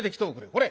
これ。